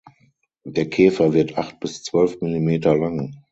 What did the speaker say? Der Käfer wird acht bis zwölf Millimeter lang.